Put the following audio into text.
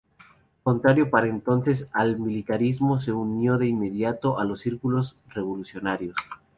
Contrario para entonces al militarismo, se unió de inmediato a los círculos revolucionarios.